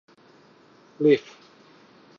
L'Iv